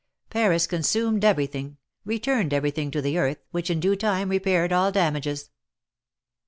Paris consumed everything — returned everything to the earth, which in due time repaired all damages.